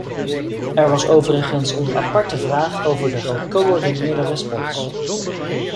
Er was overigens een aparte vraag over de gecoördineerde respons.